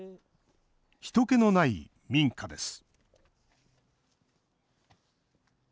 ひと気のない民家です。